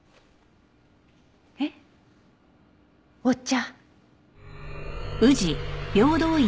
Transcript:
えっお茶。